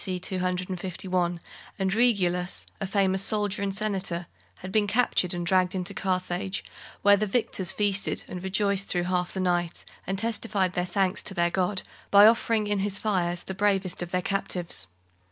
C. 251, and Regulus, a famous soldier and senator, had been captured and dragged into Carthage where the victors feasted and rejoiced through half the night, and testified their thanks to their god by offering in his fires the bravest of their captives.